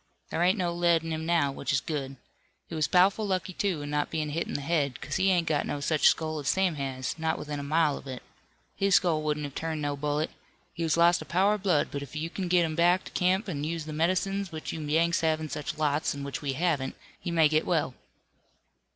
There ain't no lead in him now, which is good. He was pow'ful lucky, too, in not bein' hit in the head, 'cause he ain't got no such skull as Sam has, not within a mile of it. His skull wouldn't have turned no bullet. He has lost a power of blood, but if you kin get him back to camp, an' use the med'cines which you Yanks have in such lots an' which we haven't, he may get well."